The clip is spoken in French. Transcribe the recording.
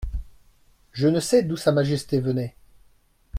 Je ne sais d'où Sa Majesté venait.